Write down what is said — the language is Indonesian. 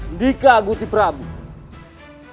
indika gusti pramoda